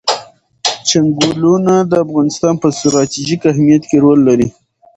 چنګلونه د افغانستان په ستراتیژیک اهمیت کې رول لري.